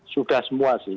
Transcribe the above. sudah semua sih